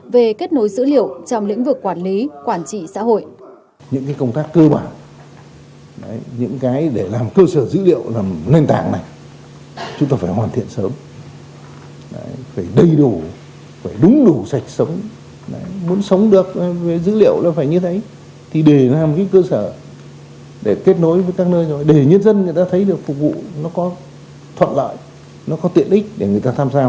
về kết nối dữ liệu trong lĩnh vực quản lý quản trị xã hội